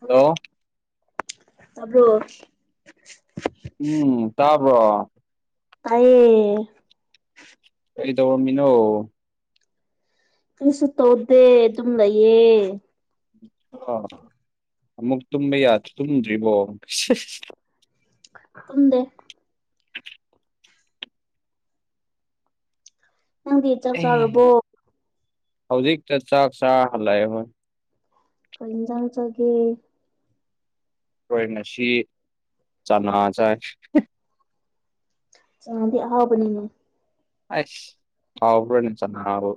Hello ꯇꯕ꯭ꯔꯣ ꯎꯝ ꯇꯥꯕ꯭ꯔꯣ ꯇꯌꯦ ꯀꯩ ꯇꯧꯔꯝꯃꯤꯅꯣ ꯀꯁꯨ ꯇꯧꯗꯦ ꯑꯗꯨꯝ ꯂꯩꯌꯦ ꯑ ꯑꯃꯨꯛ ꯇꯨꯝꯕ ꯌꯥ ꯇꯨꯝꯗ꯭ꯔꯤꯕꯣ ꯈꯪꯇꯦ ꯅꯪꯗꯤ ꯆꯥꯛ ꯑꯦ ꯆꯥꯔꯕꯣ ꯍꯧꯖꯤꯛꯇ ꯆꯥꯛ ꯆꯥ ꯍꯜꯂꯑꯦ ꯍꯣꯏ ꯀꯩꯅꯖ ꯆꯒꯦ ꯈꯣꯏ ꯉꯁꯤ ꯆꯅꯥꯥ ꯆꯥꯏ ꯆꯅꯗꯤ ꯑꯍꯎꯕꯅꯤꯅꯦ ꯑꯁ ꯍꯥꯎ꯭ꯕꯔꯥꯅꯦ ꯆꯅꯕꯨ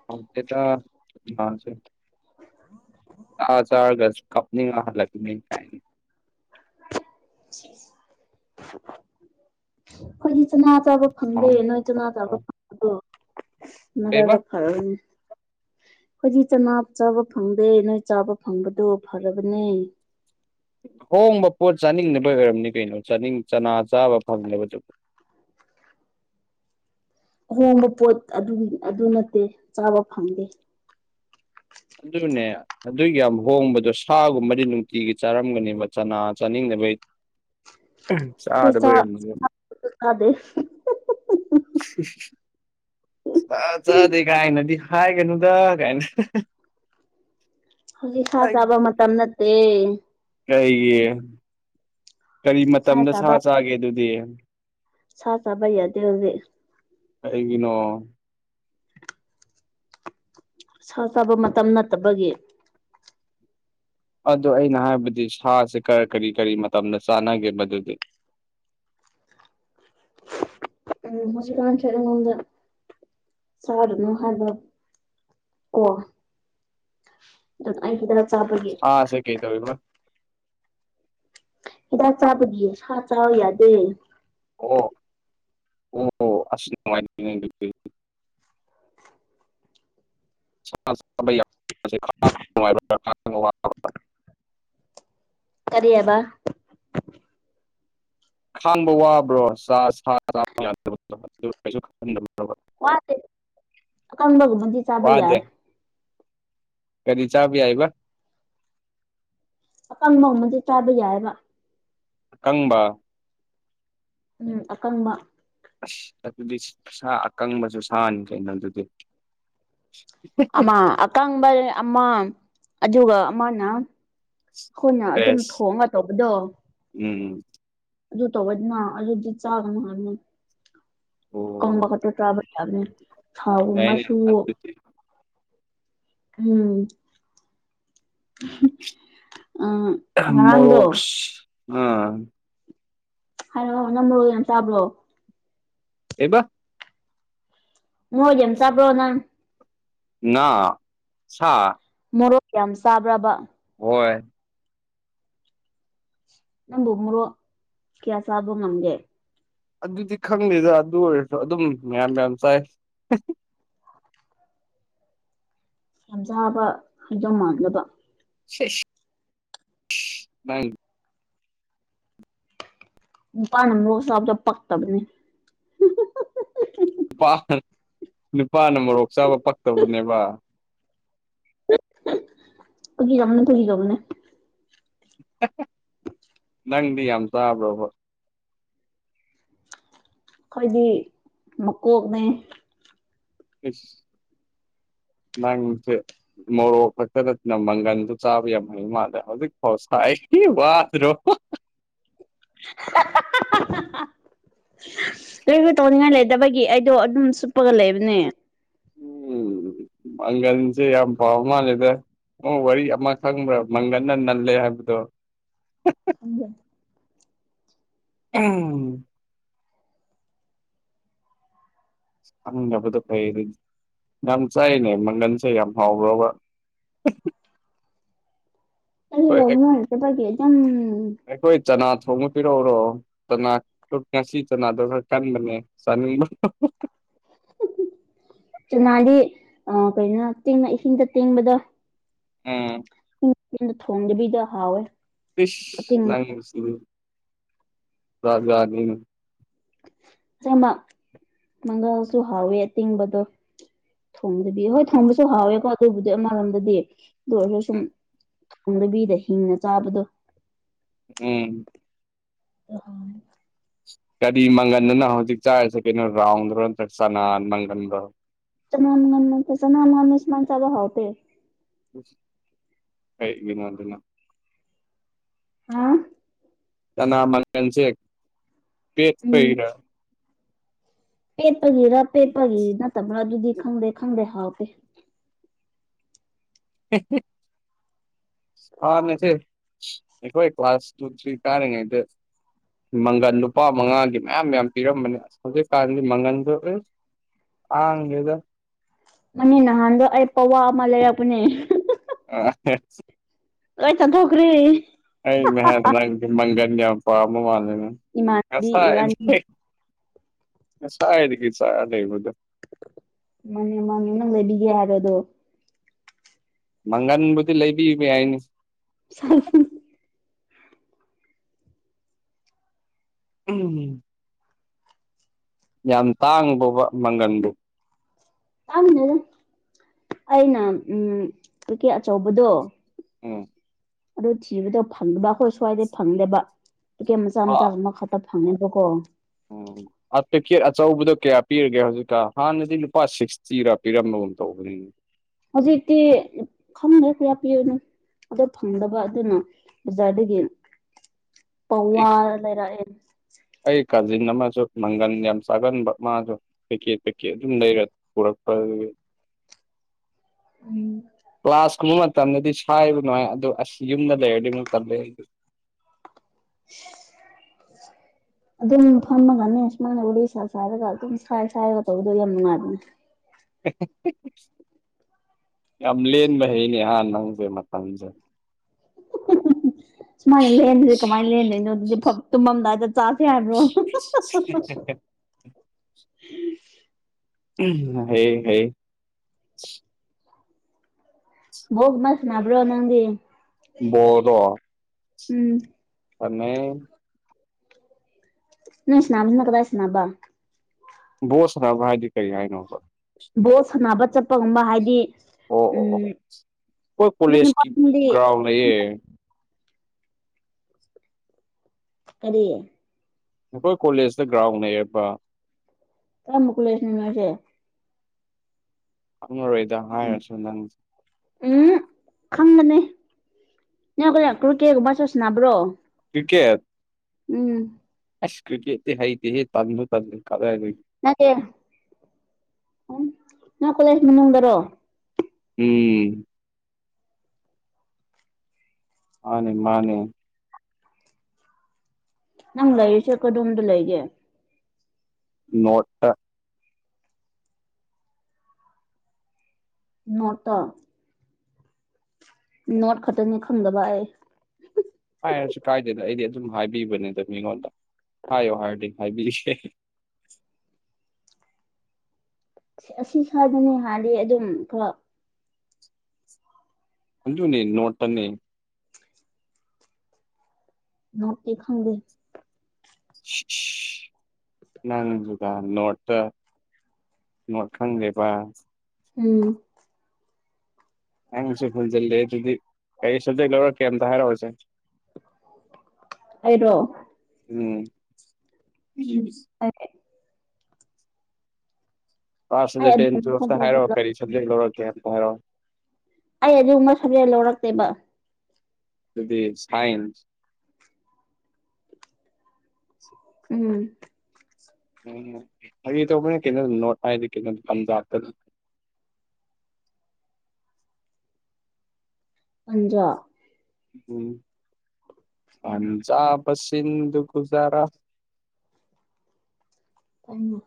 [unintelligible] [unintelligible] ꯑꯥ ꯆꯥꯔꯒꯁ ꯀꯞꯅꯤꯡꯉꯥ ꯍꯥꯜꯂꯛꯄꯥꯅꯦ ꯀꯥꯏ ꯈꯣꯏꯗꯤ ꯆꯥꯅꯥ ꯆꯥꯕꯥ ꯐꯪꯗꯦ ꯅꯣꯏ ꯆꯥꯅꯥ ꯆꯥꯕꯥ [unintelligible] ꯀꯩꯕ ꯅꯔꯥꯏꯕꯥꯛ ꯐꯔꯥꯕꯥꯅꯦ ꯈꯣꯏꯗꯤ ꯆꯅꯥ ꯆꯥꯕ ꯐꯪꯗꯦ ꯅꯣꯏ ꯆꯥꯕ ꯐꯪꯕꯗꯣ ꯐꯔꯕꯅꯦ ꯍꯣꯡꯕ ꯄꯣꯠ ꯆꯥꯅꯤꯡꯗꯕꯩ ꯑꯣꯏꯔꯝꯅꯤ ꯀꯩꯅꯣ ꯆꯥꯅꯤꯡ ꯆꯅꯥ ꯆꯥꯕ ꯐꯪꯗꯕꯗꯣ ꯑꯍꯣꯡꯕ ꯄꯣꯠ ꯑꯗꯨ ꯑꯗꯨ ꯅꯠꯇꯦ ꯆꯥꯕ ꯐꯪꯗꯦ ꯑꯗꯨꯅꯦ ꯑꯗꯨꯛ ꯌꯥꯝ ꯍꯣꯡꯕꯗꯣ ꯁꯥꯒꯨꯝꯕꯗꯤ ꯅꯨꯡꯇꯤꯒꯤ ꯆꯥꯔꯝꯒꯅꯦꯕ ꯆꯅꯥ ꯆꯥꯅꯤꯡꯗꯕꯩ [unintelligible] [unintelligible] ꯑꯩꯈꯣꯏ ꯁꯥ ꯆꯥꯗꯦ ꯁꯥ ꯆꯠꯗꯦ ꯀꯥꯏꯅꯗꯤ ꯍꯥꯏꯒꯩꯅꯨꯗ ꯀꯥꯏꯅ ꯍꯧꯖꯤꯛ ꯁꯥꯥ ꯆꯥꯕ ꯃꯇꯝ ꯅꯠꯇꯦ ꯀꯔꯤꯒꯤ ꯀꯔꯤ ꯃꯇꯝꯗ ꯁꯥ ꯆꯥꯒꯦ ꯑꯗꯨꯗꯤ ꯁꯥ ꯆꯕ ꯌꯥꯗꯦ ꯍꯧꯖꯤꯛ ꯀꯩꯒꯤꯅꯣ ꯁꯥ ꯆꯥꯕ ꯃꯇꯝ ꯅꯠꯇꯕꯒꯤ ꯑꯗꯨ ꯑꯩꯅ ꯍꯥꯏꯕꯗꯤ ꯁꯥꯁꯦ ꯀꯔꯤ ꯀꯔꯤ ꯃꯇꯝꯗ ꯆꯥꯟꯅꯒꯦꯕ ꯗꯨꯗꯤ ꯎꯝ [unintelligible] ꯁꯥꯔꯅꯨ ꯍꯥꯏꯕ ꯀꯣ ꯑꯩꯒꯤꯗ ꯁꯥ ꯁꯦ ꯀꯩ ꯇꯧꯋꯦꯕ ꯍꯤꯗꯥꯛ ꯆꯥꯕꯒꯤ ꯁꯥ ꯆꯥꯕ ꯌꯥꯗꯦ ꯑꯣ ꯑꯣ ꯑꯁ [unintelligible] [unintelligible] ꯀꯔꯤꯌꯥꯕ ꯈꯥꯡꯕ ꯋꯥꯕ꯭ꯔꯣ [unintelligible] ꯋꯥꯗꯦ ꯑꯀꯪꯕꯒꯨꯝꯕꯗꯤ [unintelligible] ꯆꯥꯕ ꯋꯥꯗꯦ ꯌꯥꯏ ꯀꯔꯤ ꯆꯥꯕꯥ ꯌꯥꯏꯕ ꯑꯀꯪꯕꯥꯒꯨꯃꯕꯗꯤ ꯆꯥꯕ ꯌꯥꯏꯌꯦꯕ ꯑꯀꯪꯕ ꯎꯝ ꯑꯀꯪꯕ ꯑꯁ ꯑꯗꯨꯗꯤ ꯁꯥ ꯑꯀꯪꯕꯁꯨ ꯁꯥꯅꯤ ꯀꯩꯅꯣ ꯑꯗꯨꯗꯤ ꯑꯃ ꯑꯀꯪꯕ ꯑꯃ ꯑꯗꯨꯒ ꯑꯃꯅ ꯑꯩꯈꯣꯏꯅ ꯑꯗꯨꯝ ꯊꯣꯡꯒ ꯇꯧꯕꯗꯣ ꯎꯝ ꯎꯝ ꯑꯗꯨ ꯇꯧꯔꯦꯗꯅ ꯑꯗꯨꯗꯤ ꯆꯥꯒꯅ ꯍꯥꯏꯕꯅꯤ ꯑꯣ ꯀꯪꯕ ꯈꯛꯇ ꯆꯥꯕ ꯌꯥꯝ ꯌꯥꯏꯅꯦ ꯊꯥꯎꯒꯨꯝꯕꯁꯨ ꯑꯗꯨꯗꯤ ꯎꯝ ꯑꯡ ꯃꯣꯔꯣꯛꯁ ꯎꯝ ꯍꯥꯏꯔꯣ ꯅꯪ ꯃꯣꯔꯣꯛ ꯌꯥꯝ ꯆꯕ꯭ꯔꯣ ꯀꯩꯕ ꯃꯣ ꯌꯥꯝ ꯆꯕꯔꯣ ꯅꯪ ꯉꯥ ꯁꯥ ꯃꯣꯔꯣꯛ ꯌꯥꯝ ꯆꯥꯕ꯭ꯔꯕ ꯑꯣꯏ ꯅꯪꯕꯨ ꯃꯣꯔꯣꯛ ꯀꯌꯥ ꯆꯥꯕꯥ ꯉꯝꯒꯦ ꯑꯗꯨꯗꯤ ꯈꯪꯗꯦꯗ ꯑꯗꯨ ꯑꯣꯏꯔꯁꯨ ꯑꯗꯨꯝ ꯃꯌꯥꯝ ꯃꯥꯌꯥꯝ ꯆꯥꯏ ꯌꯥꯝꯖꯥꯕ ꯍꯥꯏꯗꯣ ꯃꯥꯟꯗꯕ ꯁ ꯅꯪ ꯅꯨꯄꯥꯅꯥ ꯃꯣꯔꯣꯛ ꯆꯥꯕꯗꯣ ꯄꯛꯇꯕꯅꯦ ꯅꯨꯄꯥ ꯅꯨꯄꯥꯅ ꯃꯣꯔꯣꯛ ꯆꯥꯕ ꯄꯛꯇꯕꯅꯦꯕ ꯐꯥꯒꯤ ꯇꯧꯕꯅꯦ ꯐꯥꯒꯤ ꯇꯧꯕꯅꯦ ꯅꯪꯗꯤ ꯌꯥꯝ ꯆꯥꯕ꯭ꯔꯣꯕ ꯑꯩꯈꯣꯏꯗꯤ ꯃꯀꯣꯛꯅꯦ ꯏꯁ ꯅꯪ ꯁꯨ ꯃꯣꯔꯣꯛ ꯈꯛꯇ ꯅꯠꯇꯅ ꯃꯪꯒꯟꯗꯨ ꯆꯥꯕ ꯌꯥꯝ ꯍꯩ ꯃꯥꯜꯂꯦ ꯍꯧꯖꯤꯛ ꯐꯥꯎ ꯁꯥꯏꯔꯤ ꯋꯥꯗ꯭ꯔꯣ ꯀꯔꯤꯁꯨ ꯇꯧꯅꯤꯡꯉꯥꯏ ꯂꯩꯇꯕꯒꯤ ꯑꯩꯗꯣ ꯑꯗꯨꯝ ꯁꯨꯞꯄꯒ ꯂꯩꯕꯅꯦ ꯎꯝ ꯃꯉꯜ ꯁꯦ ꯌꯥꯝ ꯄꯝ ꯃꯜꯂꯦꯗ ꯑꯣ ꯋꯥꯔꯤ ꯑꯃ ꯈꯪꯕ꯭ꯔꯥ ꯃꯪꯒꯟꯅ ꯅꯜꯂꯦ ꯍꯥꯏꯕꯗꯣ ꯎ ꯎꯝ ꯑꯪꯕꯗ ꯐꯩ ꯌꯥꯝ ꯆꯥꯏꯅꯦ ꯃꯪꯒꯟꯁꯦ ꯌꯥꯝ ꯍꯥꯎꯕ꯭ꯔꯕ ꯑꯦ ꯍꯣꯏ ꯂꯝꯃ ꯍꯥꯏꯆꯦ ꯄꯒ ꯑꯗꯨꯝ ꯑꯩꯈꯣꯏ ꯆꯅꯥ ꯊꯣꯡꯕ ꯄꯤꯔꯛꯎꯔꯣ ꯆꯅꯥ ꯉꯁꯤ ꯆꯥꯅꯥ ꯗꯣ ꯈꯔꯥ ꯀꯟꯕꯅꯦ ꯆꯥꯅꯤꯡꯕꯔꯣ ꯆꯅꯥꯗꯤ ꯑ ꯀꯩꯅꯣ ꯇꯦꯡꯅ ꯏꯁꯤꯡꯗ ꯇꯤꯡꯕꯗꯣ ꯑꯝ ꯊꯣꯡꯗꯕꯤꯗ ꯍꯥꯥꯎꯋꯦ ꯐꯤꯁ ꯅꯪꯁꯨ ꯖꯥꯠ ꯖꯥꯠ ꯅꯤꯅꯦ ꯆꯥꯕꯥ ꯃꯪꯒꯜꯁꯨ ꯍꯥꯎꯋꯦ ꯑꯇꯤꯡꯕꯗꯣ ꯊꯣꯡꯗꯕꯤ ꯍꯣꯏ ꯊꯣꯡꯕꯁꯨ ꯍꯥꯎꯋꯦꯀꯣ ꯑꯗꯨꯕꯨꯗꯤ ꯑꯃꯔꯣꯝꯗꯗꯤ ꯑꯗꯨ ꯑꯣꯏꯔꯁꯨ ꯁꯨꯝ ꯊꯣꯪꯗꯕꯤꯗ ꯍꯤꯡꯅ ꯆꯥꯕꯗꯣ ꯎꯝ ꯎ ꯀꯔꯤ ꯃꯪꯒꯟꯗꯨꯅ ꯍꯧꯖꯤꯛ ꯆꯥꯔꯤꯁꯦ ꯀꯩꯅꯣ ꯔꯥꯎꯟꯗ꯭ꯔꯣ ꯅꯠꯇ꯭ꯔꯒ ꯆꯥꯅꯥ ꯃꯪꯒꯟꯗꯨꯔꯣ ꯆꯅꯥꯝ ꯉ ꯆꯅꯥꯝ ꯉꯁꯃꯁ [inaudible] ꯕ ꯍꯥꯎ ꯄꯦ ꯀꯩ ꯅꯣꯗꯅ [inaudible] ꯍꯨꯝ ꯅ ꯃꯁꯦ ꯄꯠ ꯎꯝ ꯐꯅ [inaudible] ꯄꯦꯠꯄꯒꯤꯔ ꯄꯦꯠꯄꯒꯤ ꯅꯠꯇꯕ꯭ꯔꯥ ꯑꯗꯨꯗꯤ ꯈꯪꯗꯦ ꯈꯪꯗꯦ ꯍꯥꯎꯇꯦ ꯍꯦ ꯍꯦ ꯍꯥ ꯃꯦꯊꯦ ꯑꯩꯈꯣꯢ ꯀ꯭ꯂꯥꯁ ꯇꯨ ꯊ꯭ꯔꯤ ꯀꯥꯔꯤꯉꯩꯗ ꯃꯪꯒꯟ ꯂꯨꯄꯥ ꯃꯉꯥꯒꯤ ꯃꯌꯥꯝ ꯃꯌꯥꯝ ꯄꯤꯔꯝꯕꯅꯦ ꯑꯁ ꯍꯧꯖꯤꯛꯀꯥꯟꯗꯤ ꯃꯪꯒꯟꯗꯣ ꯈꯪꯗꯦꯗ ꯃꯅꯤ ꯅꯍꯥꯟꯗꯣ ꯑꯩ ꯄꯋꯥ ꯑꯃ ꯂꯩꯔꯛꯄꯅꯦ ꯑ ꯂꯣꯏ ꯆꯊꯣꯛꯈꯔ꯭ꯦ ꯑꯩꯅꯥ ꯍꯥꯏꯗꯔꯥ ꯃꯪꯒꯟ ꯌꯥꯝ ꯄꯥꯝꯕ ꯃꯥꯜꯂꯦ ꯏꯃꯥꯟꯅꯕꯤ ꯉꯥꯁꯥꯏꯗꯒꯤ ꯏꯕꯥꯅꯤꯗ ꯉꯥꯁꯥꯏ ꯗꯒꯤ ꯆꯥꯔꯒꯥ ꯂꯩꯕꯗꯨ ꯃꯥꯅꯦ ꯃꯥꯅꯦ ꯅꯪ ꯂꯩꯕꯤꯒꯦ ꯍꯥꯏꯕꯗꯣ ꯃꯪꯒꯟꯕꯨꯗꯤ ꯂꯩꯕꯤꯕ ꯌꯥꯏꯅꯦ ꯁꯥ [inaudible] ꯎꯝ ꯌꯥꯝ ꯇꯥꯡꯕ꯭ꯔꯣ ꯃꯪꯒꯟꯗꯨ ꯈꯪꯗꯦꯗ ꯑꯩꯅ ꯎ ꯇ [inaudible] ꯔꯤꯀꯦ ꯑꯆꯧꯕꯗꯣ ꯎꯝ ꯑꯗꯨ ꯊꯤꯕꯗꯣ ꯐꯪꯗꯕ ꯑꯩꯈꯣꯏ ꯁ꯭ꯋꯥꯏꯗꯩ ꯐꯪꯗꯦꯕ ꯄꯤꯀꯦꯠ ꯃꯆꯥ ꯃꯆꯥ ꯑꯃ ꯐꯪꯉꯦꯕ ꯀꯣ ꯑꯣ ꯄꯦꯀꯦꯠ ꯑꯆꯧꯕꯗꯣ ꯀꯌꯥ ꯄꯤꯔꯒꯦ ꯍꯧꯖꯤꯛꯀꯥꯟ ꯍꯥꯟꯅꯗꯤ ꯂꯨꯄꯥ ꯁꯤꯛꯁꯇꯤꯔꯥ ꯄꯤꯔꯝꯕꯒꯨꯝ ꯇꯧꯕꯅꯤꯅ ꯍꯧꯖꯤꯛꯗꯤ ꯈꯪꯗꯦ ꯀꯌꯥ ꯄꯤꯕꯅꯣ ꯑꯗꯣ ꯐꯪꯗꯕ ꯑꯗꯨꯅ ꯕꯖꯥꯔꯗꯒꯤ ꯑꯩ ꯄꯥꯋꯥ ꯂꯩꯔꯛꯑꯦ ꯑꯩ ꯀꯥꯖꯤꯟ ꯑꯃꯁꯨ ꯃꯪꯒꯟ ꯌꯥꯝ ꯆꯥꯒꯟꯕ ꯃꯥꯁꯨ ꯄꯩꯀꯦꯠ ꯄꯩꯀꯦꯠ ꯑꯗꯨꯝ ꯂꯩꯔ ꯄꯨꯔꯛꯄꯒꯤ ꯎꯝ ꯀ꯭ꯂꯥꯁ ꯀꯨꯝꯕ ꯃꯇꯝꯗꯗꯤ ꯁꯥꯏꯕ ꯅꯨꯡꯉꯥꯏ ꯑꯗꯨ ꯑꯁ ꯌꯨꯝꯗ ꯂꯩꯔꯗꯤ ꯑꯃꯨꯛ ꯇꯥꯜꯂꯦ [inaudible] ꯑꯗꯨꯝ ꯐꯝꯃꯒꯅꯦ ꯁꯨꯃꯥꯏꯅ ꯎꯔꯤ ꯁꯥ ꯆꯥꯏꯔꯒ ꯑꯗꯨꯝ ꯁꯥꯏ ꯁꯥꯏꯔꯒ ꯇꯧꯕꯗꯣ ꯌꯥꯝ ꯅꯨꯡꯉꯥꯏꯕꯅꯦ ꯌꯥꯝ ꯂꯦꯟꯕ ꯍꯩꯅꯦ ꯍꯥ ꯅꯪꯁꯦ ꯃꯇꯝꯁꯦ ꯁꯨꯃꯥꯏꯅ ꯂꯦꯟꯗ꯭ꯔꯗꯤ ꯀꯃꯥꯏꯅ ꯂꯦꯟꯗꯣꯏꯅꯣ ꯑꯗꯨꯗꯤ ꯇꯨꯝꯃꯝꯗꯥꯏꯗ ꯆꯥꯁꯦ ꯍꯥꯏꯕ꯭ꯔꯣ [inaudible] ꯑꯝ ꯍꯩꯌꯦ ꯍꯩꯌꯦ ꯄꯣꯜꯒꯨꯝꯕ ꯁꯥꯟꯅꯕ꯭ꯔꯣ ꯅꯪꯗꯤ ꯕꯣꯜꯗꯣ ꯎꯝ ꯁꯥꯟꯅꯩ ꯅꯪ ꯁꯅꯥꯕꯅ ꯀꯗꯥꯏ ꯁꯥꯅꯕ ꯕꯣꯜ ꯁꯥꯟꯅꯕꯥ ꯍꯥꯏꯗꯤ ꯀꯔꯤ ꯍꯥꯏꯅꯣꯕ ꯕꯣꯜ ꯁꯥꯟꯅꯕ ꯆꯠꯄꯒꯨꯝꯕ ꯍꯥꯏꯗꯤ ꯑꯣ ꯑꯣ ꯑꯣ ꯎꯝ ꯑꯩꯈꯣꯏ ꯅꯣꯏ ꯀꯣꯂꯦꯖꯀꯤ ꯅꯨꯄꯥꯁꯤꯡꯗꯤ ꯒ꯭ꯔꯥꯎꯟ ꯂꯩꯌꯦ ꯀꯔꯤ ꯑꯩꯈꯣꯏ ꯀꯣꯂꯦꯖꯇ ꯒ꯭ꯔꯥꯎꯟ ꯂꯩꯔꯦꯕ ꯀꯔꯝꯕꯥ ꯀꯣꯂꯦꯖ ꯅꯣ ꯅꯣꯢꯗꯤ ꯈꯪꯉꯔꯣꯏꯗ ꯍꯥꯏꯔꯁꯨ ꯅꯪꯅ ꯎꯝ ꯈꯪꯒꯅꯤ ꯅꯪ ꯀꯨꯀꯦ [inaudible] ꯒꯨꯝꯕ ꯆꯠꯁꯤꯟꯅꯕ꯭ꯔꯣ ꯀꯔꯤꯀꯦꯠ ꯎꯝ ꯑꯁ ꯀ꯭ꯔꯤ ꯀꯦꯠ ꯍꯩꯗꯤ ꯍꯦ ꯇꯝꯕꯨ ꯇ ꯀꯂ ꯅꯠꯇꯦ꯫ ꯅꯣꯏꯀꯂꯦꯖꯃꯅꯨꯡꯗꯔꯣ ꯎꯝ ꯃꯥꯅꯦ ꯃꯥꯅꯦ ꯅꯪ ꯂꯩꯔꯤꯁꯦ ꯀꯗꯣꯝꯗ ꯂꯩꯒꯦ ꯅꯣꯠꯇ ꯃꯣꯠꯇ ꯅꯣꯠ ꯈꯛꯇꯅꯤ ꯈꯪꯗꯕ ꯑꯩ ꯍꯥꯏꯔꯁꯨ ꯀꯥꯏꯗꯦꯗ ꯑꯩꯗꯤ ꯑꯗꯨꯝ ꯍꯥꯏꯕꯤꯕꯅꯦꯗ ꯃꯤꯉꯣꯟꯗ ꯍꯥꯏꯌꯨ ꯍꯥꯏꯔꯗꯤ ꯍꯥꯏꯕꯤꯒꯦꯁꯦ ꯑꯁꯤ ꯁ꯭ꯋꯥꯗꯅꯦ ꯍꯥꯏꯗꯤ ꯑꯗꯨꯝ ꯈꯔ ꯑꯗꯨꯅꯦ ꯅꯣꯠ ꯇꯅꯤ ꯅꯣꯠꯇꯤ ꯈꯪꯗꯦ ꯅꯪꯒ ꯅꯣꯠꯇ ꯅꯣꯜ ꯈꯪꯗꯦꯕ ꯎꯝ ꯅꯪꯁꯨ ꯍꯦꯟꯖꯤꯜꯂꯦ ꯑꯗꯨꯗꯤ ꯀꯔꯤ ꯁꯥꯞꯖꯦꯛ ꯂꯧꯔꯛꯒꯦ ꯑꯝꯇ ꯍꯥꯏꯔꯛꯎꯁꯦ ꯑꯩꯔꯣ ꯎꯝ ꯑꯗꯨ ꯀꯂꯥꯁ ꯑꯩ ꯏꯂꯚꯟ ꯑꯗꯨꯝ ꯍꯥꯏꯔꯛꯑꯣ ꯀꯔꯤ ꯁꯕꯖꯦꯛ ꯂꯧꯔꯛꯒꯦ ꯑꯝꯇ ꯍꯥꯏꯔꯛꯑꯣ ꯑꯩ ꯑꯗꯨꯒꯨꯝꯕ ꯁꯕꯖꯦꯛ ꯂꯧꯔꯛꯇꯦꯕ ꯑꯗꯨꯗꯤ ꯁꯥꯏꯟꯁ ꯎꯝ ꯎꯝ ꯍꯥꯏ ꯇꯧꯕꯅ ꯀꯩꯅꯣꯝ ꯅꯣꯠ ꯍꯥꯏꯥꯏꯗ ꯀꯩꯅꯣꯝ ꯂꯝꯝꯖꯥꯇ ꯑꯗꯨ ꯄꯟꯖꯥ ꯎꯝ ꯄꯟꯖꯥꯕ ꯁꯤꯗꯨꯒꯨꯖꯔꯥ ꯇꯃ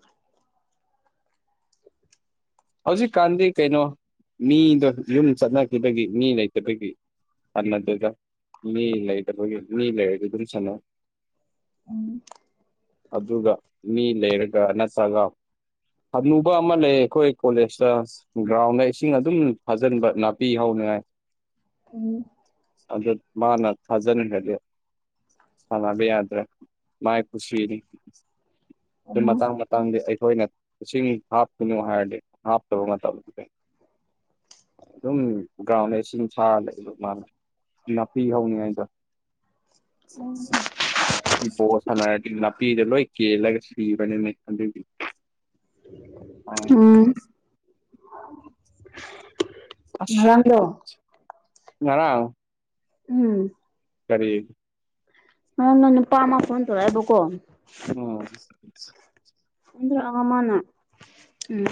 ꯍꯧꯖꯤꯛꯀꯥꯟꯗꯤ ꯀꯩꯅꯣ ꯃꯤꯗꯣ ꯌꯨꯝ ꯆꯠꯅꯈꯤꯕꯒꯤ ꯃꯤ ꯂꯩꯇꯕꯒꯤ ꯑꯗꯨꯗꯨꯗ ꯃꯤ ꯂꯩꯗꯕꯒꯤ ꯃꯤ ꯂꯩꯔꯗꯤ ꯑꯗꯨꯝ ꯆꯅ ꯑꯗꯨ ꯃꯤ ꯂꯩꯔꯒ ꯅꯠꯇ꯭ꯔꯒ ꯍꯅꯨꯕ ꯑꯃ ꯂꯩ ꯑꯩꯈꯣꯏ ꯀꯣꯂꯦꯖꯇ ꯒ꯭ꯔꯥꯎꯟꯗ ꯏꯁꯤꯡ ꯑꯗꯨꯝ ꯐꯥꯖꯤꯟꯕ ꯅꯥꯄꯤ ꯍꯥꯎꯅꯤꯉꯥꯏ ꯎꯝ ꯑꯗꯨ ꯃꯥꯅ ꯊꯥꯖꯅꯤꯡꯉꯗꯤ ꯁꯥꯟꯅꯕ ꯌꯥꯗ꯭ꯔꯥ ꯃꯥꯏ ꯀꯠꯁꯨꯔꯤ ꯑꯗꯨ ꯎꯝ ꯃꯇꯥꯡ ꯈꯤꯇꯪꯗꯤ ꯑꯩꯈꯣꯏꯅ ꯏꯁꯤꯡ ꯍꯥꯞꯀꯣꯏꯅꯨ ꯍꯥꯏꯔꯗꯤ ꯍꯥꯞꯇꯕ ꯃꯇꯝꯗꯨꯗ ꯑꯗꯨꯝ ꯒ꯭ꯔꯥꯎꯟꯗ ꯏꯁꯤꯡ ꯊꯥꯔ ꯂꯩ ꯑꯗꯨ ꯃꯥꯅ ꯅꯥꯄꯤ ꯍꯧꯅꯤꯉꯥꯏꯗ ꯎꯝ ꯏ ꯄꯣ ꯁꯥꯟꯅꯔꯗꯤ ꯅꯥꯄꯤꯗ ꯂꯣꯏ ꯀꯦꯜꯂꯒ ꯁꯤꯕꯅꯤꯅꯦ ꯑꯗꯨꯗꯤ ꯑ ꯎꯝ ꯉꯔꯥꯡꯗꯣ ꯌꯥ ꯎꯝ ꯀꯔꯤ ꯅꯪꯅ ꯅꯨꯄꯥ ꯑꯃ ꯐꯣꯟ ꯇꯧꯔꯛꯑꯦꯕꯀꯣ ꯎꯝ ꯑꯃꯅ ꯎꯝ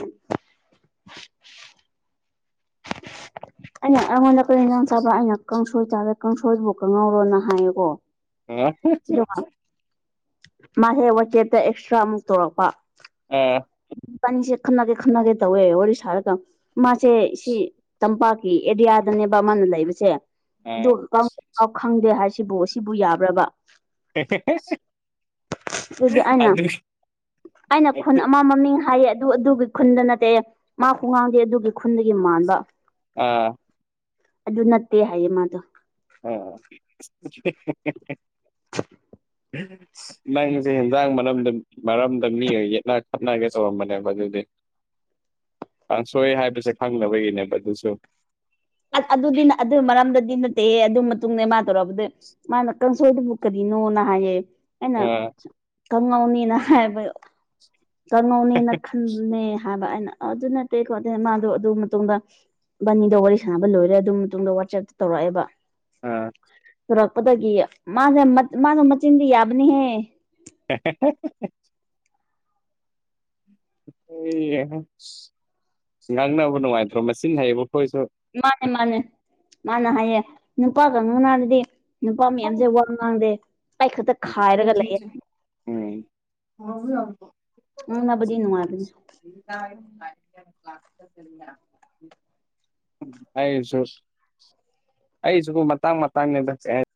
ꯑꯩꯅ ꯑꯩꯉꯣꯟꯗ ꯀꯔꯤ ꯅ ꯆꯥꯕ ꯑꯩꯅ ꯀꯥꯡꯁꯣꯏ ꯆꯥꯕꯦ ꯀꯥꯡꯁꯣꯏꯗꯨꯕꯨ ꯀꯪꯍꯧꯔꯣꯅ ꯍꯥꯏꯌꯦꯀꯣ ꯎꯝ ꯃꯥ ꯍꯦꯛ ꯋꯥꯆꯦꯞꯇ ꯑꯦꯛꯁꯇ꯭ꯔꯥꯃꯨꯛ ꯇꯧꯔꯛꯄ ꯑꯣ ꯄꯅꯤꯁꯦ ꯈꯟꯅꯒꯦ ꯈꯟꯅꯒꯦ ꯇꯧꯋꯦ ꯋꯥꯔꯤ ꯁꯥꯔꯒ ꯃꯥꯁꯦ ꯁꯤ ꯇꯝꯄꯥꯛꯀꯤ ꯑꯦꯔꯤꯌꯥꯗꯅꯦꯕ ꯃꯥꯅ ꯂꯩꯕꯁꯦ ꯑ ꯑꯗꯨꯒ ꯈꯪꯗꯦ ꯍꯥꯏꯁꯤꯕꯨ ꯑꯁꯤꯕꯨ ꯌꯥꯕ꯭ꯔꯕ ꯐꯦ ꯐꯦꯁ ꯑꯗꯨꯗꯤ ꯑꯩꯅ ꯑꯩꯅ ꯈꯨꯟ ꯑꯃ ꯃꯃꯤꯡ ꯍꯥꯏꯌꯦ ꯑꯗꯨ ꯈꯨꯟꯗ ꯅꯠꯇꯦ ꯃꯥ ꯍꯨ ꯉꯥꯡꯗꯦ ꯑꯗꯨꯒꯤ ꯈꯨꯟꯗꯒꯤ ꯃꯥꯟꯕ ꯑ ꯑꯗꯨ ꯅꯠꯇꯦ ꯍꯥꯏꯌꯦ ꯃꯥꯗꯣ ꯑꯥ ꯎꯝ ꯅꯪꯁꯦ ꯍꯟꯖꯥꯡ ꯃꯔꯝ ꯃꯔꯝꯗ ꯃꯤ ꯌꯦꯠꯅ ꯐꯠꯅꯒꯦ ꯇꯧꯔꯝꯕꯅꯦꯕ ꯑꯗꯨꯗꯤ ꯀꯥꯡꯁꯣꯏ ꯍꯥꯏꯕꯁꯦ ꯈꯪꯅꯕꯒꯤꯅꯦꯕ ꯑꯗꯨꯁꯨ ꯑꯗꯨꯗꯤ ꯑꯗꯨ ꯃꯔꯝꯗꯗꯤ ꯅꯠꯇꯦ ꯑꯗꯨ ꯃꯇꯨꯡꯗ ꯃꯥ ꯇꯧꯔꯕꯗꯤ ꯃꯥꯅ ꯀꯟꯁꯣꯠꯕꯨꯛ ꯀꯗꯤꯅꯣ ꯅ ꯍꯥꯏꯌꯦꯦ ꯑꯩꯅ ꯑꯥ ꯀꯥꯡꯉꯧꯅꯤꯅ ꯍꯥꯏꯕ ꯀꯥꯡꯉꯧꯅꯤꯅ ꯍꯥꯏꯕ ꯑꯩꯅ ꯑꯗꯨ ꯅꯠꯇꯦꯀꯣ ꯃꯥꯗꯣ ꯑꯗꯨ ꯃꯇꯨꯡꯗ ꯕꯅꯤꯗ ꯋꯥꯔꯤ ꯁꯥꯟꯅꯕ ꯂꯣꯏꯔꯦ ꯑꯗꯨꯝ ꯃꯇꯨꯡꯗ ꯋꯥꯠꯆꯦꯞꯇ ꯇꯧꯔꯛꯑꯦꯕ ꯎꯝ ꯁꯨꯔꯛꯄꯗꯒꯤ ꯃꯥꯁꯦ ꯃꯥꯁꯦ ꯃꯆꯤꯟꯗꯤ ꯌꯥꯕꯅꯤꯍꯦ [unintelligible] ꯑꯩ ꯉꯥꯡꯅꯕ ꯅꯨꯡꯉꯥꯏꯇ꯭ꯔꯣ ꯃꯆꯤꯟ ꯍꯩꯌꯦꯕꯈꯣꯏꯁꯨ ꯃꯥꯅꯦ ꯃꯥꯅꯦ ꯃꯥꯅ ꯍꯥꯏꯌꯦꯦ ꯅꯨꯄꯥꯒ ꯉꯧꯅꯔꯗꯤ ꯅꯨꯄꯥ ꯃꯌꯥꯝꯁꯦ ꯋꯥ ꯉꯥꯡꯗꯦ ꯑꯩ ꯈꯛꯇ ꯈꯥꯏꯔꯒ ꯂꯩꯌꯦ [unintelligible] ꯎꯝ ꯃꯥꯕꯨꯗꯤ ꯅꯨꯡꯉꯔꯅꯦ [unintelligible] ꯑꯩꯁꯨ ꯑꯩꯁꯤꯕꯨ ꯃꯇꯥꯡ ꯃꯇꯥꯡꯅꯤ ꯆ